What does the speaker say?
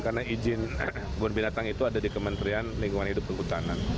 karena izin kebun binatang itu ada di kementerian lingkungan hidup dan kehutanan